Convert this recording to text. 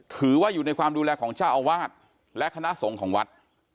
ถือว่าอยู่ในความดูแลของเจ้าอาวาสและคณะสงฆ์ของวัด